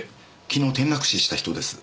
昨日転落死した人です。